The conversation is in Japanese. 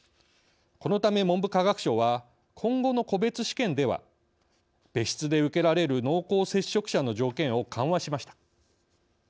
このため文部科学省は今後の個別試験では別室で受けられる濃厚接触者の条件を緩和しました。